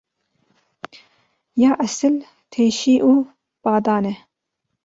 Ya esil teşî û badan e.